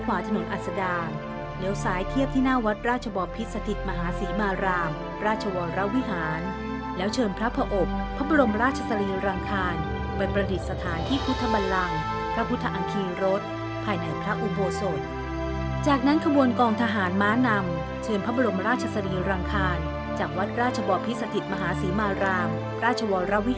ความสำคัญทั้งความสำคัญทั้งความสำคัญทั้งความสำคัญทั้งความสำคัญทั้งความสำคัญทั้งความสำคัญทั้งความสำคัญทั้งความสำคัญทั้งความสำคัญทั้งความสำคัญทั้งความสำคัญทั้งความสำคัญทั้งความสำคัญทั้งความสำคัญทั้งความสำคัญทั้งความสำคัญทั้งความสำคัญทั้งความสำคัญทั้งความสำคัญทั้งค